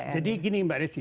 jadi gini mbak resi